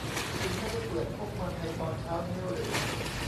คุณไม่ได้เปิดพวกมันในตอนเช้านี้หรือ